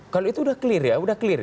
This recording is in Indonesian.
kalau itu sudah clear ya sudah clear ya